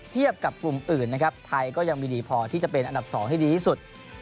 กับกลุ่มอื่นนะครับไทยก็ยังมีดีพอที่จะเป็นอันดับ๒ให้ดีที่สุด